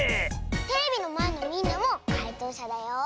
テレビのまえのみんなもかいとうしゃだよ。